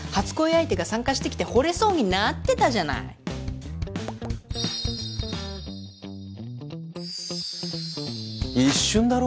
相手が参加してきて惚れそうになってたじゃない一瞬だろ？